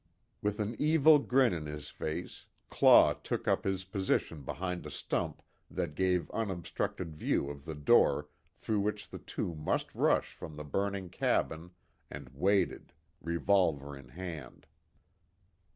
With an evil grin on his face, Claw took up his position behind a stump that gave unobstructed view of the door through which the two must rush from the burning cabin, and waited, revolver in hand.